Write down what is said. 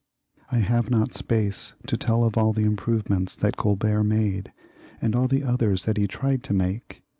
I have not space to tell of all the improvements that Colbert made, and all the others that he tried to make.